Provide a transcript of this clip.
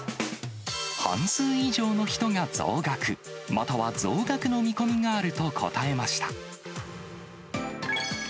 半数以上の人が増額、または増額の見込みがあると答えました。